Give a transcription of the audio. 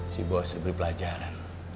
si bos harus beri pelajaran